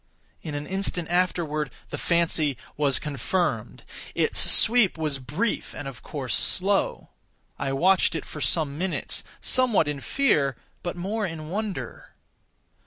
In an instant afterward the fancy was confirmed. Its sweep was brief, and of course slow. I watched it for some minutes, somewhat in fear, but more in wonder.